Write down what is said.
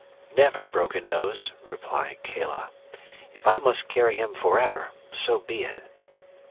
"Never, Broken Nose," replied Kala. "If I must carry him forever, so be it."